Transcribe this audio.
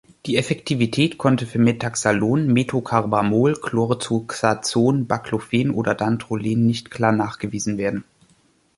Die Effektivität konnte für Metaxalon, Methocarbamol, Chlorzoxazon, Baclofen oder Dantrolen nicht klar nachgewiesen werden.